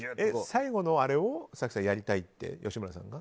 最後のあれをやりたいって吉村さんが？